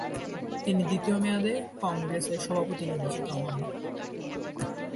তিনি দ্বিতীয় মেয়াদে কংগ্রেসের সভাপতি নির্রাচিত হন।